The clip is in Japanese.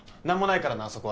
何もないからなあ